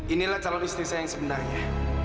inilah calon istri saya yang sebenarnya